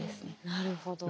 なるほど。